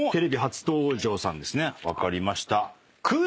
分かりました。